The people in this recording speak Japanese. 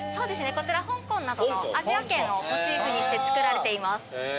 こちら香港などのアジア圏をモチーフにして作られています。